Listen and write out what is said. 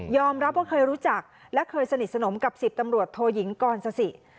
รับว่าเคยรู้จักและเคยสนิทสนมกับ๑๐ตำรวจโทยิงกรสสิ